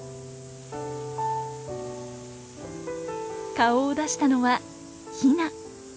顔を出したのはヒナ。